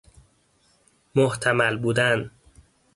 محتمل بودن